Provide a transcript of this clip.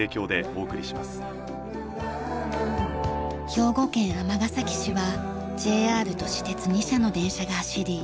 兵庫県尼崎市はＪＲと私鉄２社の電車が走り